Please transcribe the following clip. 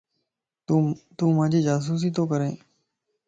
تون مانجي جاسوسي تو ڪرين؟